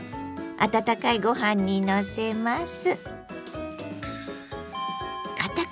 温かいご飯にのせます。